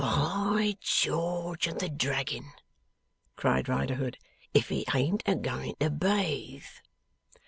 'By George and the Draggin!' cried Riderhood, 'if he ain't a going to bathe!